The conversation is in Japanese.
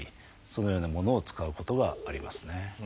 そのようなものを使うことがありますね。